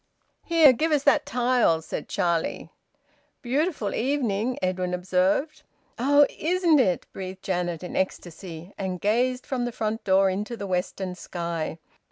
"Here! Give us that tile," said Charlie. "Beautiful evening," Edwin observed. "Oh! Isn't it!" breathed Janet, in ecstasy, and gazed from the front door into the western sky.